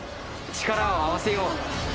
力を合わせよう。